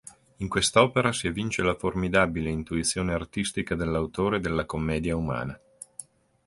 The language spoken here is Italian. In quest'opera si evince la formidabile intuizione artistica dell'autore della "Commedia umana".